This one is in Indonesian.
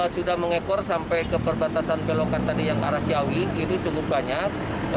sudah mengekor sampai ke perbatasan belokan tadi yang arah ciawi itu cukup banyak